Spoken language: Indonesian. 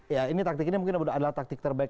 ya ini taktik ini mungkin adalah taktik terbaik